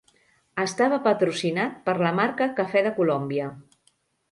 Estava patrocinat per la marca Cafè de Colòmbia.